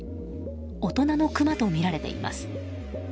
大人のクマとみられています。